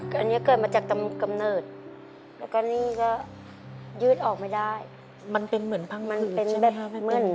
แล้วยังไงแม่คือหลังน้องมาโก่งตอนอายุเท่าไหร่นะคะอเรนนี่แค่ที่แขนคือหลังเหลืองน้องก็เป็นปกติเหมือนเด็กคนอื่นครับ